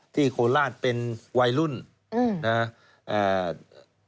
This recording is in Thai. โคราชเป็นวัยรุ่นนะครับ